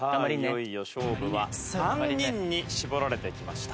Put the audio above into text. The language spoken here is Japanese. いよいよ勝負は３人に絞られてきました。